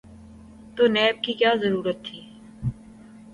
تو نیب کی کیا ضرورت تھی؟